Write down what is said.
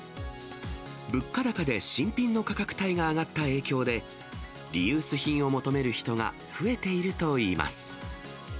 物価高で新品の価格帯が上がった影響で、リユース品を求める人が増えているといいます。